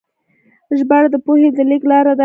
ژباړه د پوهې د لیږد لاره ده.